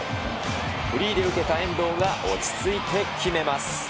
フリーで受けた遠藤が落ち着いて決めます。